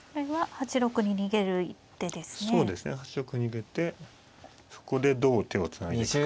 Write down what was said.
８六に逃げてそこでどう手をつないでいくか。